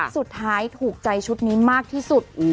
สุดท้ายถูกใจชุดนี้มากที่สุด